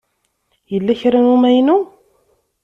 Yella kra n umaynu?